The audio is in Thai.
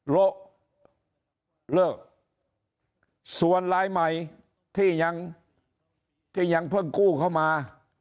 ละเลิกส่วนลายใหม่ที่ยังที่ยังเพิ่งกู้เข้ามา